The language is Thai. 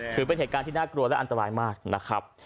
ถือเป็นเหตุการณ์ที่น่ากลัวและอันตรายมากนะครับ